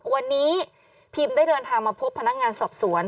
วันนี้พิมได้เดินทางมาพบพนักงานสอบสวน